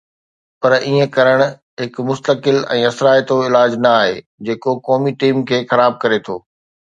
پر ائين ڪرڻ هڪ مستقل ۽ اثرائتو علاج نه آهي جيڪو قومي ٽيم کي خراب ڪري ٿو